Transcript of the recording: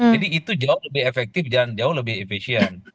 jadi itu jauh lebih efektif dan jauh lebih efisien